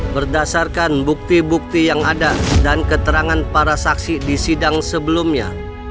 berdasarkan bukti bukti yang ada dan keterangan para saksi di sidang sebelumnya